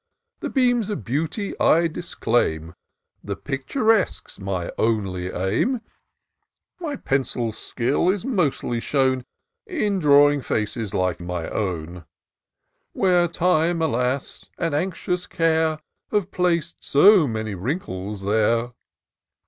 The beams of beauty I disclaim ; The Picturesque'^ my only aim : My pencil's skill is mostly shown In drawing faces like my own, Where time, alas ! and anxious Care, Have plac'd so many wrinkles there."